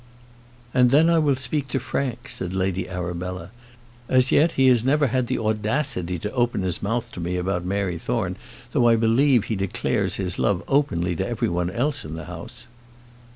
"And then I will speak to Frank," said Lady Arabella. "As yet he has never had the audacity to open his mouth to me about Mary Thorne, though I believe he declares his love openly to every one else in the house."